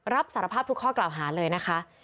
รับสารภาพทุกข้อกล่าวหาเลยนะคะ